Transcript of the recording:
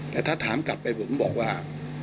แต่ถ้าถามกลับไปผมบอกว่า